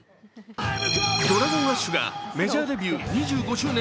ＤｒａｇｏｎＡｓｈがメジャーデビュー２５周年